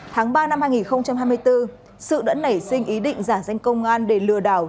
tháng ba năm hai nghìn hai mươi bốn sự đã nảy sinh ý định giả danh công an để lừa đảo